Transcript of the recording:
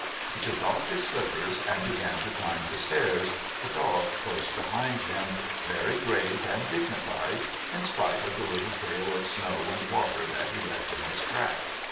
He took off his slippers and began to climb the stairs, the dog close behind him, very grave and dignified, in spite of the little trail of snow and water that he left in his track.